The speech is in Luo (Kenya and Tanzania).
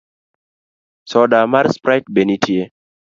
Soda mar sprite be nitie?